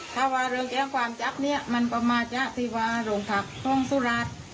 ถ้าว่าเรื่องแจ้งความจับเนี้ยมันก็มาจากที่ว่าโรงภาพของสุราติ